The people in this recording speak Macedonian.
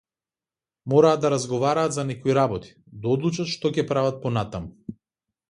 Мораа да разговараат за некои работи, да одлучат што ќе прават понатаму.